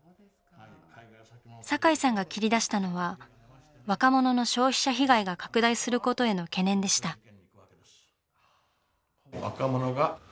堺さんが切り出したのは若者の消費者被害が拡大することへの懸念でした。